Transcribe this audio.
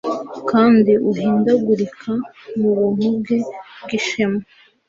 Kandi uhindagurika mu buntu bwe bw'ishema